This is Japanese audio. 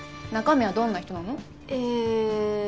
中身はどんな人なの？え。